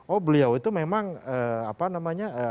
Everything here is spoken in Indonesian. oh beliau itu memang apa namanya